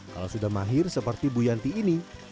kalau sudah mahir seperti bu yanti ini